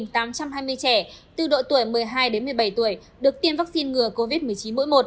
năm trăm linh một tám trăm hai mươi trẻ từ độ tuổi một mươi hai đến một mươi bảy tuổi được tiêm vaccine ngừa covid một mươi chín mũi một